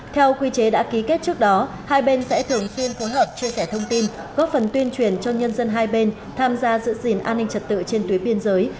theo quy chế đã ký kết trước đó hai bên sẽ thường xuyên phối hợp chia sẻ thông tin góp phần tuyên truyền cho nhân dân hai bên tham gia giữ gìn an ninh trật tự trên tuyến biên giới